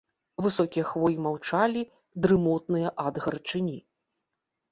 Высокія хвоі маўчалі, дрымотныя ад гарачыні.